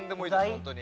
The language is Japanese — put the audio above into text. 本当に。